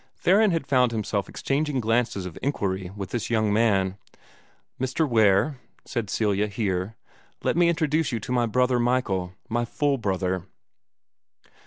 Theron had found himself exchanging glances of inquiry with this young man. "Mr. Ware," said Celia, here, "let me introduce you to my brother Michael my full brother."